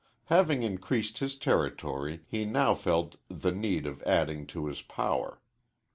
Having increased his territory, he now felt the need of adding to his power.